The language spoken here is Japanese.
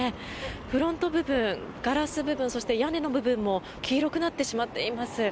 フロント部分、ガラス部分そして屋根の部分も黄色くなってしまっています。